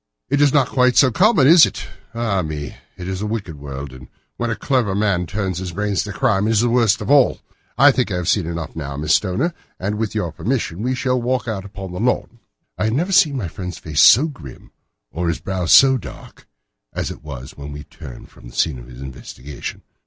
"That is not quite so common, is it? Ah, me! it's a wicked world, and when a clever man turns his brains to crime it is the worst of all. I think that I have seen enough now, Miss Stoner, and with your permission we shall walk out upon the lawn." I had never seen my friend's face so grim or his brow so dark as it was when we turned from the scene of this investigation.